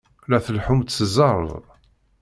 La tleḥḥumt s zzerb!